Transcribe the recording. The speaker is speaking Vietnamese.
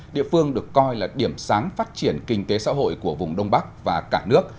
địa phương được coi là điểm sáng phát triển kinh tế xã hội của vùng đông bắc và cả nước